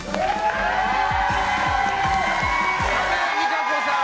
多部未華子さん